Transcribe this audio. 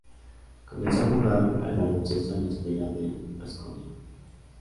Comenzó a jugar al Baloncesto en la escuela del Baskonia.